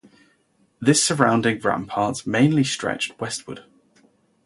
This surrounding rampart mainly stretched westward.